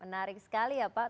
menarik sekali ya pak